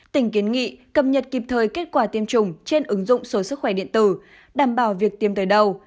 tỉnh kiến nghị cập nhật kịp thời kết quả tiêm chủng trên ứng dụng số sức khỏe điện tử đảm bảo việc tiêm tới đầu